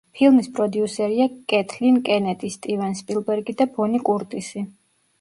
ფილმის პროდიუსერია კეთლინ კენედი, სტივენ სპილბერგი და ბონი კურტისი.